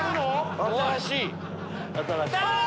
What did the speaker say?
新しい！